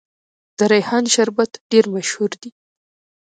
د ریحان شربت ډیر مشهور دی.